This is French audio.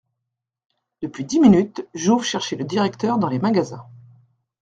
Depuis dix minutes, Jouve cherchait le directeur dans les magasins.